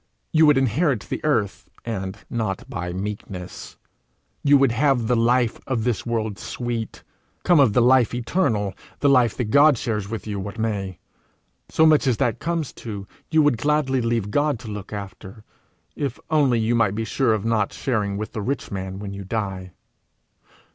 You would inherit the earth, and not by meekness; you would have the life of this world sweet, come of the life eternal, the life that God shares with you, what may: so much as that comes to, you would gladly leave God to look after, if only you might be sure of not sharing with the rich man when you die.